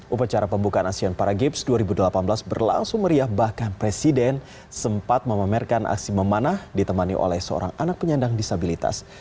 upacara pembukaan asean para games dua ribu delapan belas berlangsung meriah bahkan presiden sempat memamerkan aksi memanah ditemani oleh seorang anak penyandang disabilitas